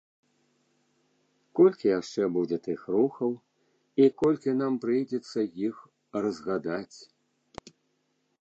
Колькі яшчэ будзе тых рухаў і колькі нам прыйдзецца іх разгадаць!